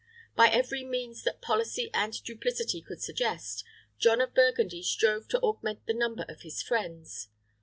By every means that policy and duplicity could suggest, John of Burgundy strove to augment the number of his friends.